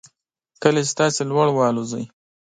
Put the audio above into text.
کله چې تاسو لوړ والوځئ